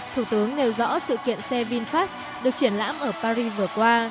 thủ tướng nêu rõ sự kiện xe vinfast được triển lãm ở paris vừa qua